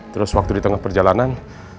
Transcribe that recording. terus waktu di tengah perjalanan